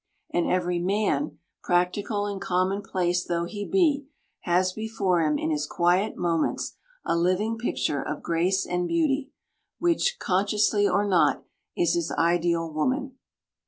And every man, practical and commonplace though he be, has before him in his quiet moments a living picture of grace and beauty, which, consciously or not, is his ideal woman.